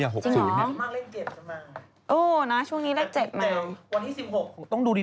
จริงหรอโอ้โหนะช่วงนี้เลขเจ็บมากพี่ต้องดูดี